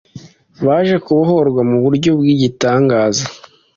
Baje kubohorwa mu buryo bw’igitangaza